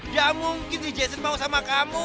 gak mungkin si jason mau sama kamu